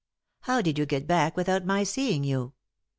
How did you get back without my seeing you